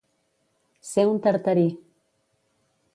Ser un Tartarí.